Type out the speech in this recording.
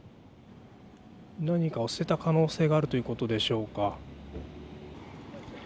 何かを捨てた可能性があるということでしょうか。